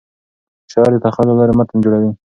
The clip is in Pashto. شاعر د تخیل له لارې متن جوړوي.